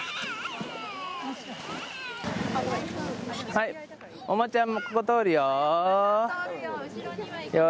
はいお馬ちゃんもここ通るよ。